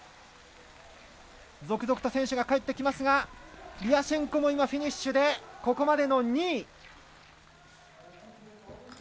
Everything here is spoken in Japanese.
続々と選手が帰ってきますがリアシェンコもフィニッシュでここまでの２位。